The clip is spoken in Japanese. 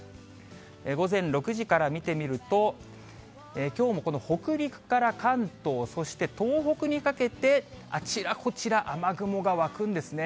午前６時から見てみると、きょうもこの北陸から関東、そして東北にかけて、あちらこちら雨雲が湧くんですね。